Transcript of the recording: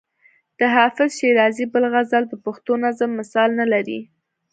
د حافظ شیرازي بل غزل د پښتو نظم مثال نه لري.